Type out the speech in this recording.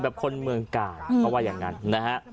แบบคนเมืองกาศเพราะว่าอย่างนั้นนะฮะ